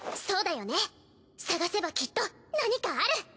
そうだよね探せばきっと何かある！